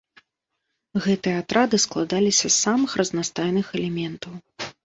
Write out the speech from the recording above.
Гэтыя атрады складаліся з самых разнастайных элементаў.